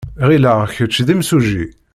Ɣileɣ kečč d imsujji.